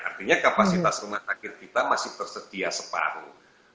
artinya kapasitas rumah sakit kita masih tersedia separuh